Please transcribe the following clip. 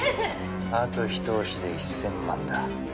あと一押しで１，０００万だ。